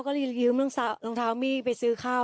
ก็เลยยืมรองเท้ามีดไปซื้อข้าว